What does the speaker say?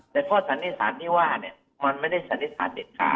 แต่ข้อสันนิษฐานที่ว่ามันไม่ได้สันนิษฐานเด็ดขาด